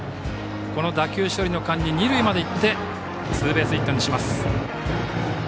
この打球処理の間に二塁まで行きツーベースヒットにします。